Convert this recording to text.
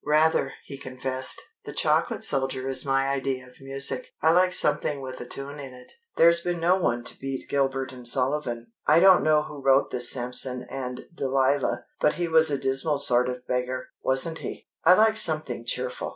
"Rather," he confessed. "The Chocolate Soldier is my idea of music. I like something with a tune in it. There's been no one to beat Gilbert and Sullivan. I don't know who wrote this Samson and Delilah, but he was a dismal sort of beggar, wasn't he? I like something cheerful.